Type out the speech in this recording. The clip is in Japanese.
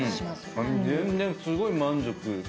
全然すごい満足。